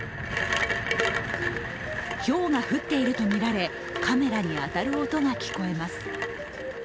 ひょうが降っているとみられ、カメラに当たる音が聞こえます。